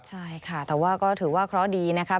ใช่ค่ะแต่ว่าก็ถือว่าเคราะห์ดีนะครับ